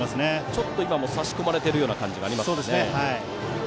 ちょっと今も差し込まれている感じがあります。